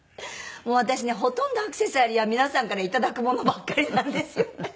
もう私ねほとんどアクセサリーは皆さんからいただくものばっかりなんですよね。